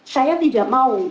saya tidak mau